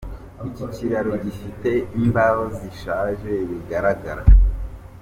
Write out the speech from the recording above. Iki kiraro gifite imbaho zishaje bigaragara.